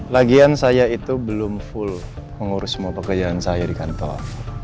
lagian saya itu belum full mengurus semua pekerjaan saya di kantor